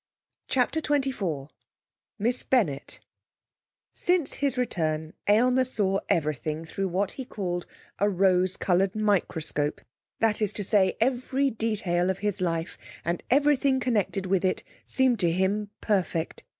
CHAPTER XXIV Miss Bennett Since his return Aylmer saw everything through what he called a rose coloured microscope that is to say, every detail of his life, and everything connected with it, seemed to him perfect.